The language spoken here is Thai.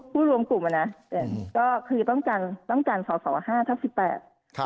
รวมกลุ่มอ่ะนะก็คือต้องการต้องการสอสอห้าทับสิบแปดครับ